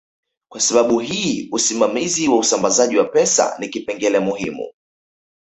Kwa sababu hii usimamizi wa usambazaji wa pesa ni kipengele muhimu